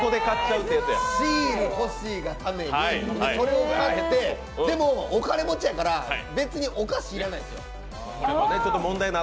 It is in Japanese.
シールほしいがために、それを買って、でもお金持ちやから別にお菓子、要らないんですよ。